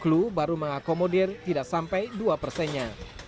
clue baru mengakomodir tidak sampai dua persennya